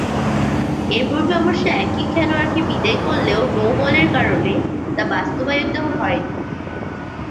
এর পূর্বে অবশ্য একই খেলোয়াড়কে বিদেয় করলেও নো-বলের কারণে তা বাস্তবায়িত হয়নি।